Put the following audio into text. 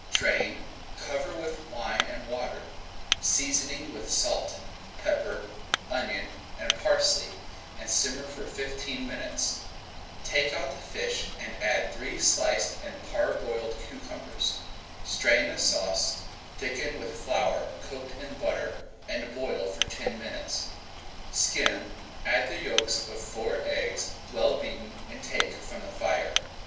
Drain, cover with wine and water, seasoning with salt, pepper, onion, and parsley, and simmer for fifteen minutes. Take out the fish and add three sliced and parboiled cucumbers. Strain the sauce, thicken with flour cooked in butter, and boil for ten minutes. Skim, add the yolks of four eggs well beaten and take from the fire.